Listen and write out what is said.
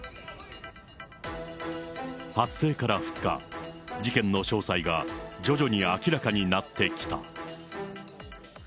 発生から２日、事件の詳細が徐々に明らかになってきた。